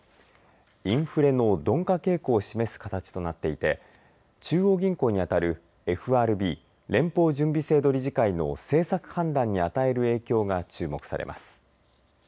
インフレの鈍化傾向を示す形となっていて中央銀行に当たるＦＲＢ連邦準備制度理事会の政策判断に与える影響が注目されます。